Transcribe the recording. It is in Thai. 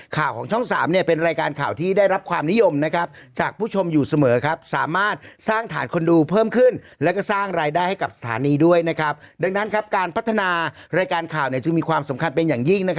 ดังนั้นการพัฒนารายการข่าวจึงมีความสำคัญเป็นอย่างยิ่ง